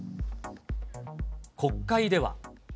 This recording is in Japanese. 国会では。